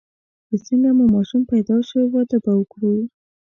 چې څنګه مو ماشوم پیدا شو، واده به وکړو.